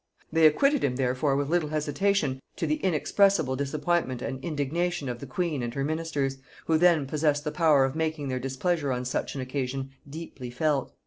They acquitted him therefore with little hesitation, to the inexpressible disappointment and indignation of the queen and her ministers, who then possessed the power of making their displeasure on such an occasion deeply felt.